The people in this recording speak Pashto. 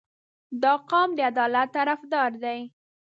• دا قوم د عدالت طرفدار دی.